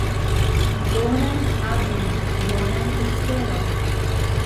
Bonan tagon, bonan vesperon.